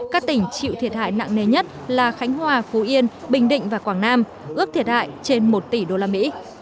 các tỉnh chịu thiệt hại nặng nề nhất là khánh hòa phú yên bình định và quảng nam ước thiệt hại trên một tỷ usd